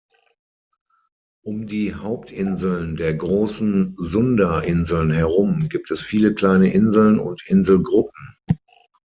Um die Hauptinseln der großen Sundainseln herum gibt es viele kleine Inseln und Inselgruppen.